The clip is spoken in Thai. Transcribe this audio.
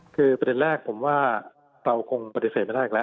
คือประเด็นแรกผมว่าเราคงปฏิเสธไม่ได้อีกแล้ว